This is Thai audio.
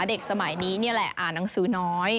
เด็กสมัยนี้นี่แหละอ่านหนังสือน้อย